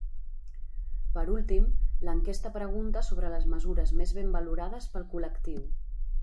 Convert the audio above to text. Per últim, l’enquesta pregunta sobre les mesures més ben valorades pel col·lectiu.